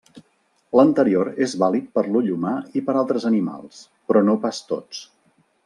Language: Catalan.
L'anterior és vàlid per l'ull humà i per altres animals però no pas tots.